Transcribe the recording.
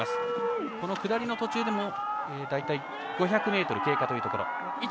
下りの途中で大体５００ｍ経過というところ。